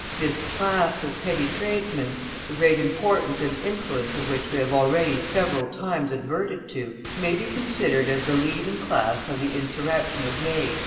This class of petty tradesmen, the great importance and influence of which we have already several times adverted to, may be considered as the leading class of the insurrection of May, 1849.